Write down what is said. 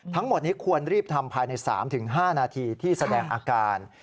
ทั้งหมดนี้ควรรีบทำภายใน๓๕นาทีที่แสดงอาการ